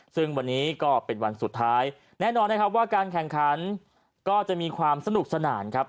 ซึ่งวันนี้ก็เป็นวันสุดท้ายแน่นอนนะครับว่าการแข่งขันก็จะมีความสนุกสนานครับ